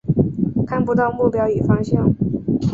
看不到目标与方向